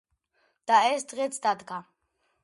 და ეს დღეც დადგა.